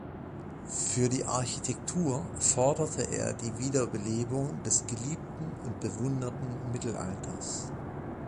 Für die Architektur forderte er die Wiederbelebung des „geliebten und bewunderten Mittelalters“.